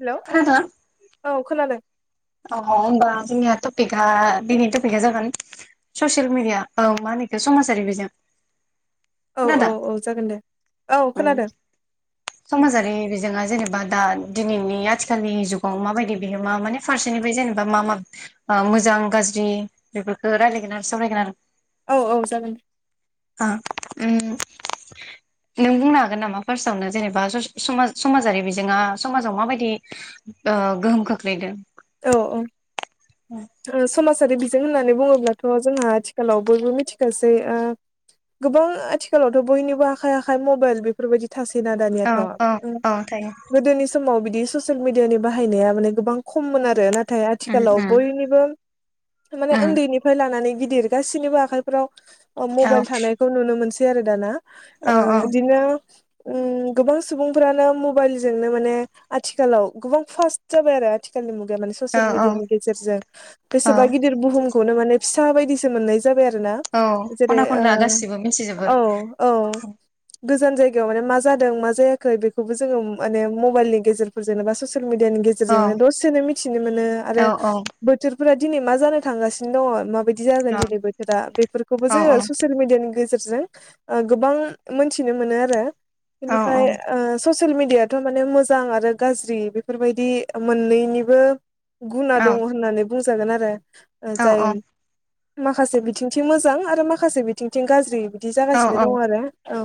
Hello खोनादों औ खोनादों औ होमबा जोंनिया टपिकआ दिननि टपिकआ जागोन ससियेल मिडिया औ मा होनोखि समाजारि बिजों औ औ खोनादों? औ जागोन दे औ उम खोनादों समाजारि बिजोङा जेनेबा बा दा दिनैनि आथिखालनि जुगाव माबायदि बिहोमा माने फारसेनिफ्राय जेनेबा मा मा ओ मोजां गाज्रि बेफोरखौ रायलायगोन आरो सावरायगोन आरो औ औ जागोन ओ नों बुंनो हागोन नामा फार्स्टआवनो जेनेबा बा समाजारि बिजोङा समाजाव माबायदि ओ गोहोम खोख्लैदों औ औ ओ समाजारि बिजों होननानै बुङोब्लाथ जोंहा आथिखालाव बयबो मिथिखासै ओ गोबां आथिखालावथ बयनिबो आखाइ आखाइ मबाइल बेफोरबायदि थासैना‌ औ दानियाथ औ औ थायो गोदोनि समाव बि बि ससियेल मिडिया नि बाहायनाया माने गोबां खममोन आरो नाथाय उम आथिखालाव उम बयनिबो माने उम उन्दैनिफ्राय लानानै गिदिर गासैनिबो आखाइफ्राव औ मबाइल थानायखौ नुनो मोनसै बिदि आरो दा ना औ ओ बिदिनो ओ गोबां सुबुंफ्रानो मबाइलजोंनो माने आथिखालाव गोबां फास्ट जाबाय आरो आथिखाल औ ससियेल औ मेडियानि गेजेरजों औ बेसेबा‌ गिदिर बुहुम खौनो माने फिसा बायदिसो मोननाय जाबाय आरोना औ जेरै खना खनला गासिबो मिथिजोबो ओ औ औ गोजान जायगायाव माने मा जादों मा जायाखै बेखौबो जोङो माने मबाइलनि गेजेरफोरजोंनो बा ससियेल मिडियानि औ गेजेरनों द सोनो मिथिनो मोनो आरो औ औ बोथोर फोरा दिनै मा जानो थांगासिनो दङ माबायदि जागोन औ दिनै बोथोरा बेफोरखौबो औ जोङो औ ससियेल मिडियानि गेजेर जों ओ गोबां मोनथिनो मोनो आरो औ बेनिफ्राय ओ सस सेल मिडियाथ' माने मोजां आरो गाज्रि बेफोरबायदि मोननै निबो गुना औ दङ होननानै बुं जागोन आरो ओ औ जायो माखासे बिथिंथिं मोजां आरो माखासे बिथिंथिं गाज्रिबो दि औ जागासिनो औ दं आरो औ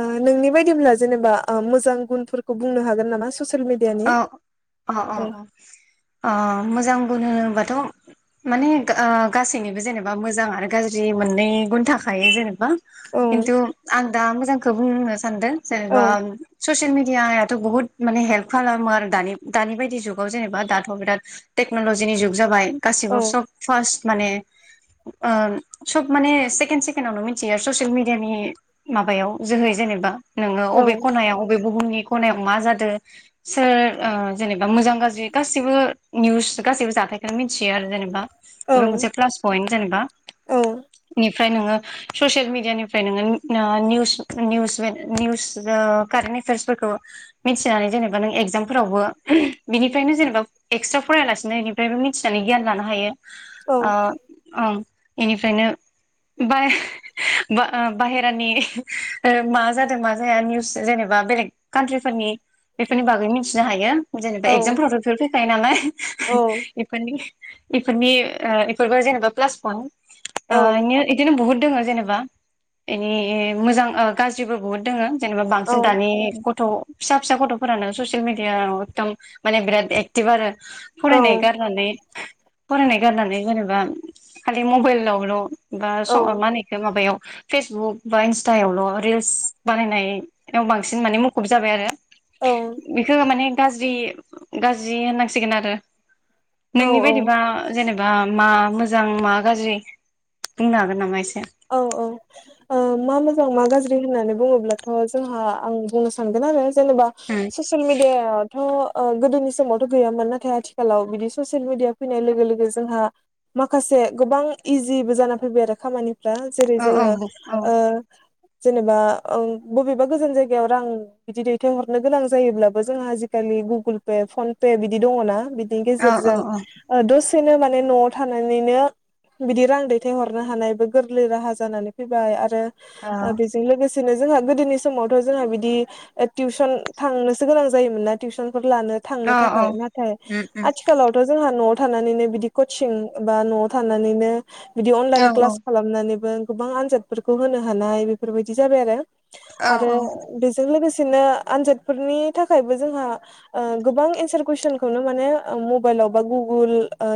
ओ नोंनि बाय दिब्ला जेनेबा ओ मोजां गुनफोरखौ बुंनो हागोन नामा ससे सेल मिडियानि अ अ औ अ अ मोजां गुन होनो बाथ' माने गा आ गासैनिबो जेनेबा मोजां आरो गाज्रि मोननै गुन थाखायो जेनेबा औ खिन्थु आं दा मोजांखो बुंनो सानदों औ जेनेबा ससियेल मिडियायाथ' बहुत माने हेल्प खालामो आरो दानि दानि बायदि जुगाव जेनेबा दाथ' बिराद टेक्न'लजिनि जुग जाबाय गासिबो औ सब फास्ट माने ओ सब माने सेकेणड सेकेण्डावनो मिथियो ससियेल मिडियानि माबायाव जोहै जेनेबा नोङो अबे औ खनायाव अबे बुहुमनि खनायाव मा जादो सोर ओ जेनेबा मोजां गाज्रि गासिबो निउस गासैबो जाथायखोनो मि थियो आरो जेनेबा बेबो औ मोनसे प्लास पइन्ट जेनेबा औ बेफ्राय नोङो ससियेल मिडियानिफ्राय नोङो ना निउस निउस मे निउस ओ कारेन्ट एफियारसफोरखौ मिथिनो हायो जेनेबा बा नों एगजामफोरावबो बिनिफ्रायनो जेनेबा एक्सट्रा फरायालासिनो बेनिफ्रायबो मिथिनानै गियान लानो हायो औ आ ओं इनिफ्रायनो बाय बा आ बाहेरानि ओ मा जादों मा जाया निउस जेनेबा बेलेग कान्ट्रिफोरनि बेफोरनि बागै मिथिनो हायो [unintelligible] औ एक्जामफोरा [unintelligible] [unintelligible] औ [unintelligible] इफोरनि इफोरबो जेनेबा प्लास पइन औ आ एदिनो बहुत दोंङो जेनेबा एनि मोजां गाज्रिबो बहुद दोंङो जेनेबा औ बांसिन दानि गथ' फिसा फिसा गथ' फोरानो ससियेल मिडिया एकदम माने बिरात एकटिभ आरो औ फरायनाय गारनानै फरायनाय गारनानै जेनेबा खालि मबाइलावल' बा औ स मा होनखौ माबायाव फेसबुक बा इन्स्टायावल' रिल्स बानायनायाव बांसिन माने मुखुब जाबाय आरो औ बिखौ माने गाज्रि - गाज्रि होननांसिगोन आरो औ नोंनि बायदिबा जेनेबा आ मा मोजां मा गाज्रि बुंनो हागोन नामा एसे औ - औ मा मोजां मा गाज्रि होननानै बुंङोब्लाथ' जोंहा आं बुंनो सानगोन आरो जेनेबा औ ससिल मिडिया थ' गोदोनि समावथ' गैयामोन नाथाय आथिखालाव बिदि ससियेल मिडिया फैनाय लोगो लोगो जोंहा माखासे गोबां इजिबो जाना फैबाय आरो खामानि जेरै औ जोंङो औ औ ओ जेनेबा बबेबा गोजान जायगायाव रां बिदि दैथायहरनो गोनां जायोब्लाबो जोंहा आजिखालि गुगोल पे फन पे बिदि दङो ना बि औ गेजेरजों दसेनो माने न'आव थानानैनो बिदि रां दैथाय हरनो हानायबो गोरलै राहा जानानै फैबाय आरो ओ बेजों लोगोसेनो जोंहा गोदोनि समावथ' जोंहा बिदि टिउसन थांनोसो गोनां जायोमोन ना टिउसन फोर लानो औ थांनो औ थाखाय नाथाय उम उम आथिखालावथ' जोंहा न' आव थानानैनो बिदि कचिं बा न'आव थानानैनो बिदि औ अनलाइन क्लास औ मोननानैबो गोबां आनजादफोरखौ होनो हानाय बेफोरबायदि जाबाय आरो आरो बेजों लोगोसे बिदिनो आनजादफोरनि थाखायबो जोंहा गोबां एन्सार कुइसनखौनो माने मबाइलाव बा गुगोल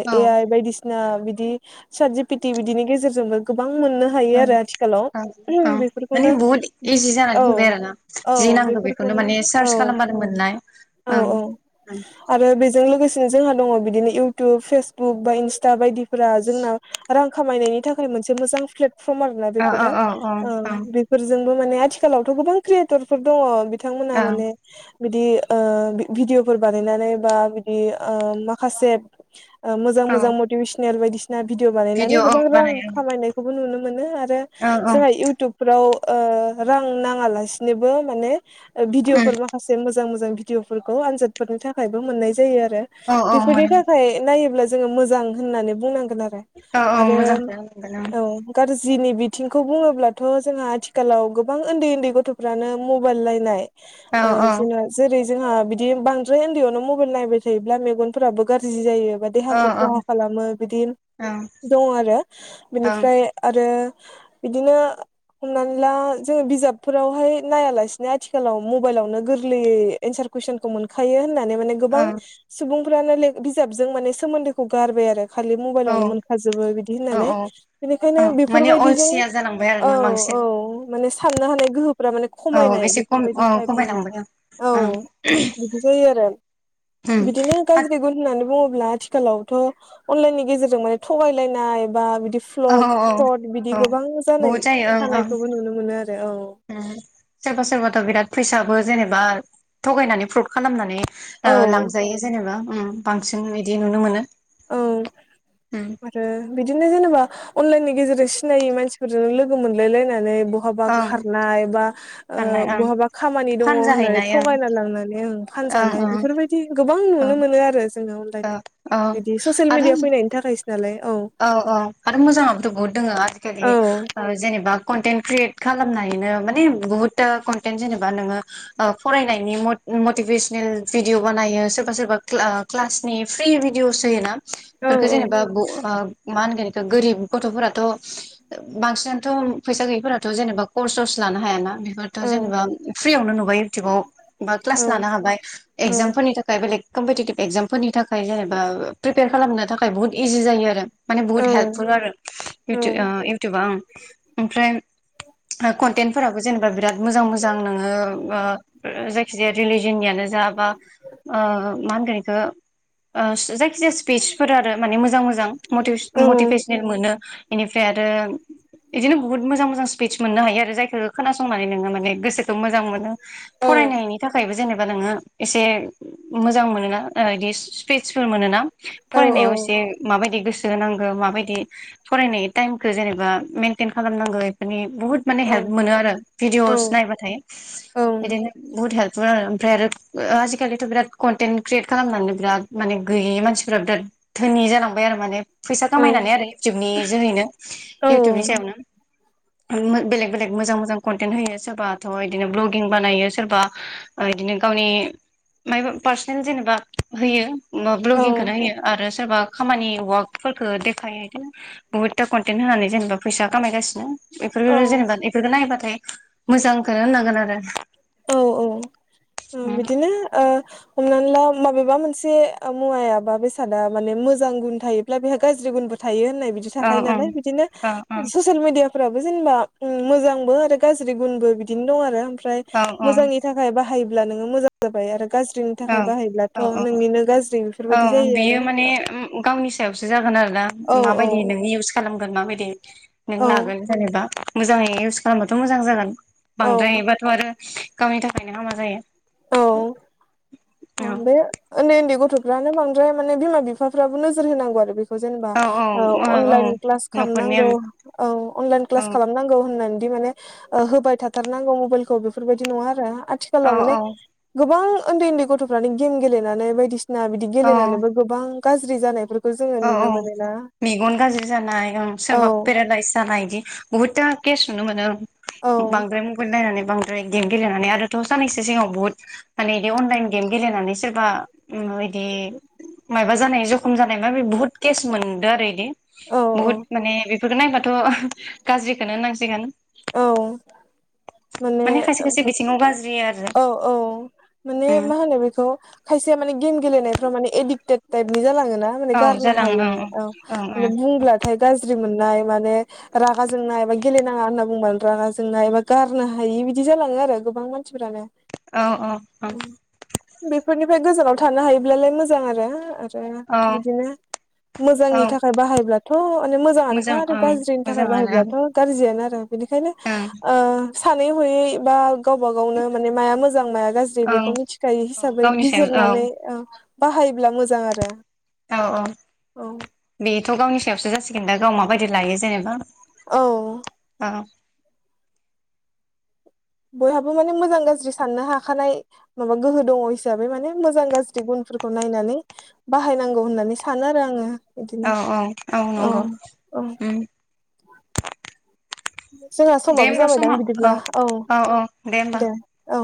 औ ए आइ बायदिसिना बिदि सात जि पि टि बिदिनि गेजेरजोंबो गोबां मोननो हायो औ आरो आथिखालाव ओं ओं माने बेफोरखौनो बुहुत इजि जानानै औ फैबाय आरो ना औ जि नांगौ बेखौनो बेफोरखौनो माने औ सार्च खालामबानो मोननाय औ ओं औ आरो बेजों लोगोसे जोंहा दङ बिदिनो इउटुब फेसबुक बा इनस्टा बायदि फोरा जोंना रां खामायनायनि थाखाय मोनसे मोजां फ्लेत प्रम आरोना औ औ बेफोरो औ औ ओं ओ बेफोरजों माने आथिलावथ माने गोबां क्रियेटरफोर दङ ब थांमोना ओं माने बिदि ओ भिडिअफोर बानायनानै बा बिदि ओ माखासे ओ मोजां औ मोज मटिभेसनेल बायदि ना भिडिअ बानायनानै भिडिअ ओं गोबां रां बानायो [unintelligible] नुनो मोनो आरो औ औ जोंहा युत्युबफोराव रां ओ नाङा लासिनोबो माने उम भिडिअफोर माखासे मोजां मोजां भिडिअफोरखौ आनजादफोरनि थाखायबो मोननाय जायो औ औ बेफोरनि मोनो थाखाय नायोब्ला जोङो मोजां होननानै बुंनांगोन आरो औ औ आरो मोजांखौनो मोनगोन औ गार जिनि बिथिंखौ बुङोब्लाथ जोंहा आथिखालाव गोबां उन्दै उन्दै गथ'फ्रानो मबाइल नायनाय ओ ओं औ जों जेरै जोंहा बिदि बांद्राय उन्दैयावनो मबाइल नायबाय थायोब्ला मेगनफोराबो गाज्रि जायो औ देहाखौ खहा खालामो बिदि दं आरो औ ओं बेनिफ्राय आरो बिदिनो हमनानै ला जोङो बिजाबफोरावहाय नायालासिनो आथिखालाव मबाइलावनो गोरलैयै एन्सार कुइसनखौ मोनखायो होनानै माने गोबां सुबुं फोरानो बिजाबजों माने सोमोन्दोखौ गारबाय आरो खालि ओं मबाइलावनो मोनखाजोबो बिदि औ औ बेनिखायनो औ माने बेफोरबायदिजों अलसिया जालांबाय आरो औ ना बांसिन औ माने साननो हानाय गोहोफोरा माने औ खमायनाय एसे खम बेफोरबायदि औ ताइपनि खमायलांबाय औ ओं ओं बिदि जायो आरो उम बिदिनो गाज्रि गुन होननानै बुंब्ला आथिखालावथ अनलाइननि गेजेरजों थगायलायनाय बा बि औ औ औ जानाय बहुद जायो ओं थानायखौबो नुनो मोनो आरो औ ओं सोरबा सोरबाथ' बिराद फैसाबो जेनेबा थगायनानै फ्रुद खालामनानै ओ औ लांजायो जेनेबा बांसिन बिदि नुनो मोनो औ उम आरो बिदिनो जेनेबा अनलाइननि गेजेरजों सिनायि मानसिफोरजों लोगो मोनलाय लायनानै बहाबा ओं खारनाय बा ओ फाननाय ओं बहाबा खामानि दङ होननानै फानजाहैनाय ओं थगायना लांनानै ओं फानजानाय ओं बेफोरबायदि गो गोबां ओं नुनो मोनो आरो जोङो ओम दे औ औ बिदि ससियेल आरो मिडिया फैनायनि थाखायसो नालाय औ औ आरो मोजाङाबोथ' बहुद औ दङ जेन एबा कन्टेन्ट क्रियेट खालामनायनो माने बुहुदथा कनटेन्ट जेनेबा नोङो फरायनायनि मटिभेसनेल भिडिअ बानायो सोरबा सोरबा क्लासनि फ्रि भिडिअस होयो ना औ बेफोरखौ जेनेबा ब मा होनगोन बेखौ गोरिब गथ'फोराथ' बांसिननानोथ' फैसा गैयिफोराथ' जेनेबा कर्स सर्स लानो हायाना बेफोरथ' जेनेबा फ्रियावनो नुबाय बाव बा औ क्लास लानो हाबाय औ एगजाम फोरनि थाखाय बेलेग कमपिटिटिभ एक्जाम फोरनि थाखाय जेनेबा प्रिपेयार खालामनो थाखाय बुहुत इजि जायो आरो [inaudible] माने बुहुत औ हेल्पफुल आरो इउटुबा आं ओमफ्राय कनटेन्टफोराबो जेनेबा बिराद मोजां मोजां नोङो ओ जायखिजाया रिलिजननियानो जा बा ओ मा होनगोन ओ जायखिजाया स्पिसफोरानो‌माने मोजां मोजां म मटिभेशनेल मोनो बेनिफ्राय आरो बिदिनो बुहुत मोजां मोजां स्पिस मोननो हायो आरो जायखौ खोनासंनानै नोङो माने गोसोखौ मोजां मोनो फरायनायनि थाखायबो जेनेबा नोङो एसे मोजां मोनोना बिदि स्पिसफोर मोनोना फरायनायाव एसे माबायदि गोसो होनांगौ माबायदि फरायनाय टाइमखौ जेनेबा मेेनटेन खालामनांगौ बेफोरनि बुहुत माने हेल्प मोनो आरो भिडिअस नायबाथाय बिदिनो बहुत हेल्प बे ओमफ्राय आरो आजिखालिथ बिराद कन्टेन्ट क्रियेट खालामनानै बिराद माने गैयै मानसिफोरा बिराद धोनि जालांबाय आरो माने फैसा खामायनानै आरो इउटुबनि जोहैनो इउटुबनि सायावनो बेलेग बेलेग मोजां मोजां कन्टेन्ट होयो सोरबाथ बिदिनो भ्लगिं बानायो सोरबा बिदिनो गावनि माइबा पार्सनेल जेनेबा होयो भ्लगिंखौनो होयो आरो सोरबा खामानि वाक फोरखो देखायहदों बुहुतथा कनटेन्ट होनानै जेनेबा फैसा खामायगासिनो बेफोर जेनेबा बेफोरखौ नायोबाथ फ्राय मोजांखौनो होननांगोन आरो औ औ ओ बिदिनो ओ हमनानै ला माबेबा मोनसे ओ मुवायाबा बेसादा माने मोजां गुन थायोब्ला बेहा गाज्रि गुनबो थायो नाय बिदि औ थाखायो नालाय बिदिनो औ ससियेल मेडिया फोराबो जेनेबा ओ मोजांबो आरो गाज्रि गुनबो बिदिनो दं आरो फ्राय औ मोजांनि थाखाय बा बाहायोब्ला नोङो मोजां जाबाय आरो गाज्रि गाज्रिनि औ थाखाय औ बाहायोब्लाथ' औ नोंनिनो औ बेफोरबायदि जायो बियो आरो माने गावनि सायावसो जागोन आरोना औ माबायदि नोङो इउस खालामोन गोन माबादि नों औ लागोन जेनेबा मोजाङै इउस खालामबाथ मोजां जागोन औ बांद्रायबाथ‌ आरो गावनि थाखायनो हामा जायो [inaudible] ओ औ बे उन्दै गथफ्रानो बांद्राय माने बिमा बिफाफ्राबो नोजोर होनांगौ आरो बे जेनेबा औ ओ औ अनलाइन औ क्लास न'खरनि खालामनांगौ औ अनलाइन क्लास ओं खालामनांगौ बिदि माने होबाय थाथारनांगौ मबाइलखौ बेफोरबायदि नङा आरो औ आथिखालाव माने गोबां उन्दै उन्दै गथफ्रानो गेम गेलेनानै बायदिसिना ना बिदि औ औ गेलेनानैबो गोबां गाज्रि जानाय औ औ मेगन गाज्रि जानाय औ सोरबा पेरालाायस जानाय बिदि बुहुथा केस नुनो मोनो औ बांद्राय मबाइल नायनानै बांद्राय [unintelligible] गेलेनानै आरो थ साननैसो सिगाङाव बहुत माने बिदि अनलाइन गेम गेलेनानै सोरबा बिदि मायबा जानाय जखम जानाय [unintelligible] बे बुहुत केस मोनदों आरो बिदि औ औ बुहुत माने बेफोरखौ नायबाथ' गाज्रिखोनो होननांसिगोन औ माने खायसे खायसे बिथिङाव गाज्रि आरो औ औ माने उम मा होनो बेखौ खायसेया माने गेम गेलेनायाव मान एडिक्टेड टाइपनि जालाङो ना माने औ गारनो हायै जालाङो औ ओं माने ओं बुंब्लाथाय गाज्रि मोन नाय माने रागा जोंनाय बा गेलेनाङा होनना बुंबानो रागा जोंनाय एबा गारनो हायि बिदि जालाङो आरो गोबां मानसिफोरानो औ औ औ बेफोरनिफ्राय गोजानाव थानो हायोब्लालाय मोजां आरो ओमफ्राय औ बिदिनो औ मोजांनि थाखाय बाहायब्ला थ माने मोजां मोजाङानोखा आरो ओं गाज्रिनि थाखाय मोजाङानो बाहायब्लाथ' गाज्रियानो आरो बेखायनो ओं सानै हयै बा गावबा गावनो माने माया मोजां माया गाज्रि ओं बेखौ मिथिखायो औ हिसाबै गावनि सायाव बिजिरनानै बाहायोब्ला मोजां आरो औ औ औ बेथ' गावनि सायावसो जासिगोन दा गाव माबायदि लायो जेनेबा औ औ बयहाबो माने मोजां गाज्रि साननो हाखानाय माबा गोहो दङ हिसाबै माने मोजां गाज्रि गुनफोरखौ नायनानै बाहायनांगौ होननानै सानो आरो आङो औ बिदिनो औ औ नंगौ औ जोंहा दे समाबो होमबा समा जाबायदां बिदिब्ला औ दे औ